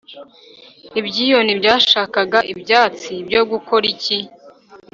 ibyiyoni byashakaga ibyatsi byo gukora iki?